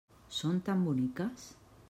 Són tan boniques!